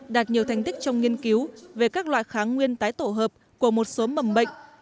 đạt nhiều thành tích trong nghiên cứu về các loại kháng nguyên tái tổ hợp của một số mầm bệnh